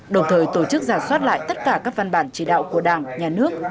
đồng thời tổ chức giả soát lại tất cả các văn bản chỉ đạo của đảng nhà nước